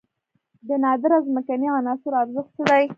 د نادره ځمکنۍ عناصرو ارزښت څه دی؟